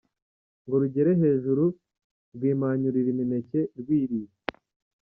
ngo rugere hejuru, rwimanyurira imineke rwirira.